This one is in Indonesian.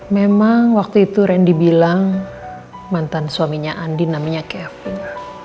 memang waktu itu randy bilang mantan suaminya andi namanya kevin